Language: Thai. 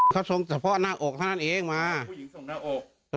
เขามันควรส่งมาเอง